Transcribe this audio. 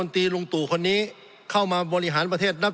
สงบจนจะตายหมดแล้วครับ